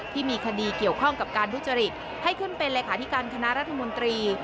ที่มีคดีเกี่ยวข้องกับการทุจริตให้ขึ้นเป็นเลขาธิการคณะรัฐมนตรี